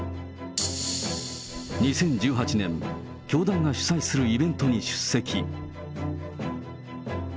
２０１８年、教団が主催するイベントに出席。